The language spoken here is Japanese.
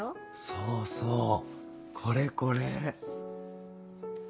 そうそうこれこれ！